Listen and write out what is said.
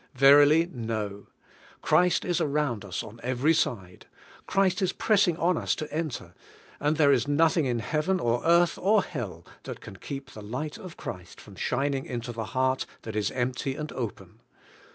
Verily, no; Christ is around us on every side; Christ is pressing on us to enter, and there is nothing in heaven, or earth, or hell, that can keep the light of Christ from shining into the heart that is empty and open.